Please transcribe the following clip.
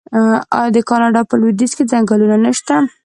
آیا د کاناډا په لویدیځ کې ځنګلونه نشته؟